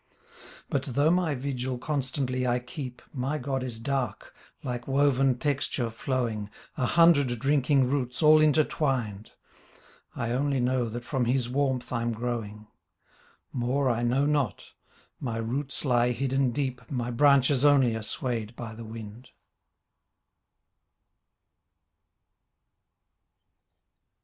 But though my vigil constantly I keep My God is dark — like woven texture flowing, A hundred drinking roots, all intertwined; I only know that from His warmth I'm growing. More I know not: my roots lie hidden deep My branches only are swayed by the wind.